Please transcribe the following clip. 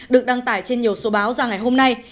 được đăng tải trên nhiều số báo ra ngày hôm nay